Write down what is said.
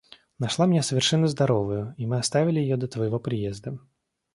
Нашла меня совершенно здоровою, и мы оставили ее до твоего приезда.